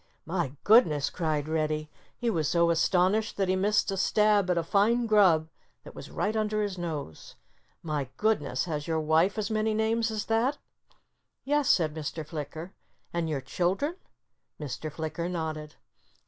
"My goodness!" cried Reddy. He was so astonished that he missed a stab at a fine grub that was right under his nose. "My goodness! Has your wife as many names as that?" "Yes!" said Mr. Flicker. "And your children?" Mr. Flicker nodded.